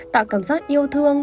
tạo cảm giác yêu thương